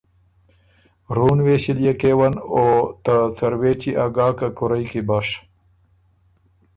رُون وېݭِليې کېون او ته څروېچی ا ګاکه کُورئ کی بش۔